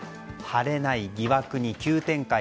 晴れない疑惑に急展開